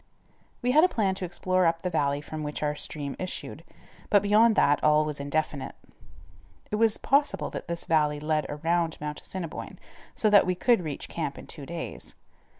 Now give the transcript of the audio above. We had a plan to explore up the valley from which our stream issued, but beyond that, all was indefinite. It was possible that this valley led around Mount Assiniboine so that we could reach camp in two days.